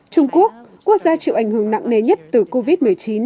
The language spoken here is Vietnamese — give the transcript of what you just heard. trung quốc quốc gia chịu ảnh hưởng nặng nề nhất từ covid một mươi chín